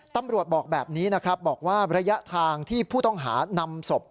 ตำรวจบอกแบบนี้นะครับบอกว่าระยะทางที่ผู้ต้องหานำศพ